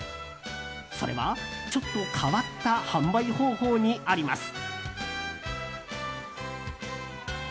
それは、ちょっと変わった販売方法にあります。